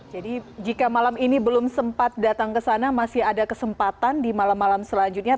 jadi jika malam ini belum sempat datang ke sana masih ada kesempatan di malam malam selanjutnya